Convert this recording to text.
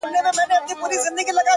ما چي د ميني په شال ووهي ويده سمه زه _